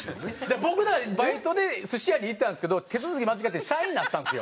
僕の中でバイトで寿司屋に行ってたんですけど手続き間違って社員になったんですよ。